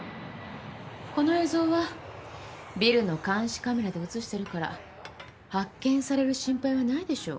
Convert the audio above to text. この映像はビルの監視カメラで映してるから発見される心配はないでしょ。